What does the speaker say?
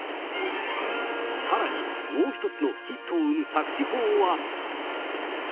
さらにもう１つのヒットを生む作詞法は。